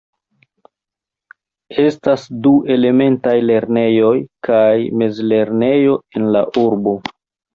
Estas du elementaj lernejoj kaj mezlernejo en la urbo.